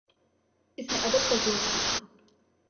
اس نے ادب کا ذوق سیکھا